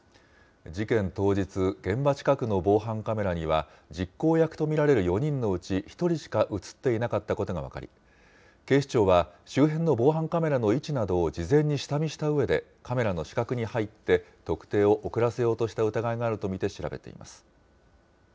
事件当日、現場近くの防犯カメラには、実行役と見られる４人のうち、１人しか写っていなかったことが分かり、警視庁は周辺の防犯カメラの位置などを事前に下見したうえで、カメラの死角に入って、特定を遅らせようとした疑いがあると見て調べています。